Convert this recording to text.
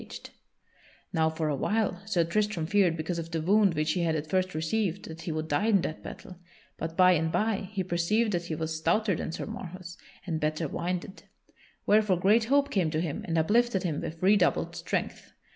[Sidenote: Sir Tristram gives Sir Marhaus a death wound] Now for a while Sir Tristram feared because of the wound which he had at first received that he would die in that battle, but by and by he perceived that he was stouter than Sir Marhaus and better winded; wherefore great hope came to him and uplifted him with redoubled strength.